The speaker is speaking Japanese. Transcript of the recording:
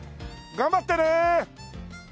頑張ってね！